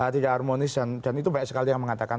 tidak harmonis dan itu banyak sekali yang mengatakan